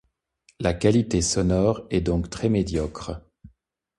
La qualité sonore est donc très médiocre.